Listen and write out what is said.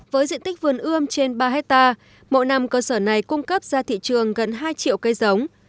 với diện tích vườn ươm trên ba hectare mỗi năm cơ sở này cung cấp ra thị trường gần hai triệu cây giống